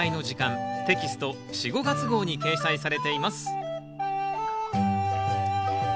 テキスト４・５月号に掲載されています